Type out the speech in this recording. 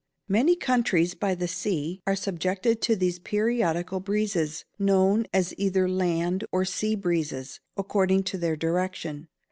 Many countries by the sea are subjected to these periodical breezes, known as either "land" or "sea breezes," according to their direction.